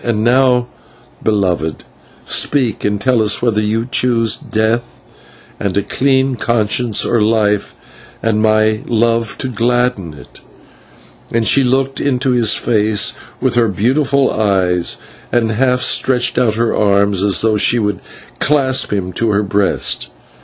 "And now, beloved, speak and tell us whether you choose death and a clean conscience, or life and my love to gladden it" and she looked into his face with her beautiful eyes, and half stretched out her arms as though she would clasp him to her breast.